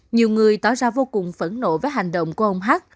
nhiều người tỏ ra vô cùng phẫn nộ với hành động của ông hát